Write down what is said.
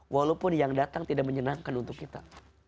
walaupun yang datang tidak menyenangkan untuk kita